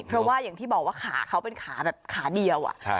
เพราะว่าอย่างที่บอกว่าขาเขาเป็นขาแบบขาเดียว